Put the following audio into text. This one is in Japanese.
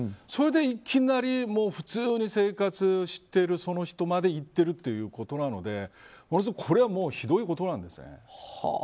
それでいきなり普通に生活しているその人までいっているということなのでこれはひどいことなんです。